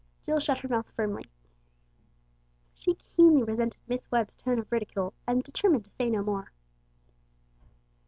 Jill shut her mouth firmly. She keenly resented Miss Webb's tone of ridicule, and determined to say no more.